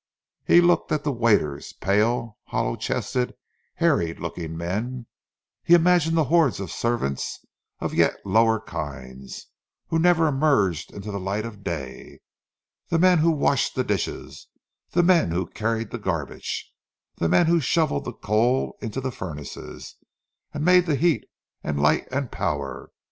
He looked at the waiters—pale, hollow chested, harried looking men: he imagined the hordes of servants of yet lower kinds, who never emerged into the light of day; the men who washed the dishes, the men who carried the garbage, the men who shovelled the coal into the furnaces, and made the heat and light and power.